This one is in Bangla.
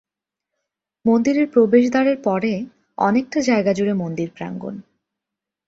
মন্দিরের প্রবেশদ্বারের পরে অনেকটা জায়গা জুড়ে মন্দিরপ্রাঙ্গণ।